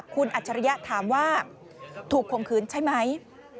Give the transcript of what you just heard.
คุณอัจฉริยะถามว่าถูกคมคืนใช่ไหม